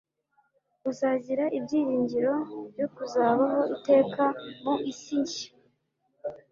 uzagira ibyiringiro byo kuzabaho iteka mu isi nshya